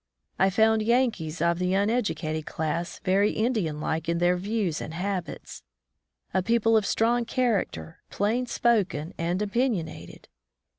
I found Yankees of the uneducated class very Indian like in their views and habits; a people of strong char acter, plain spoken, and opinionated.